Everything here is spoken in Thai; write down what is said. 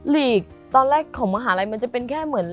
ลีกตอนแรกของมหาลัยมันจะเป็นแค่เหมือน